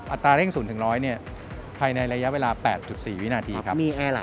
ตราเร่ง๐๑๐๐ภายในระยะเวลา๘๔วินาทีครับ